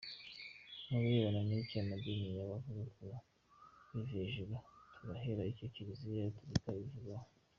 Ku birebana n’icyo amadini yaba avuga ku bivejuru, turahera kucyo Kiliziya Gaturika ibivugaho.